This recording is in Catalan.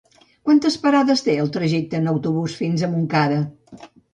Quantes parades té el trajecte en autobús fins a Montcada?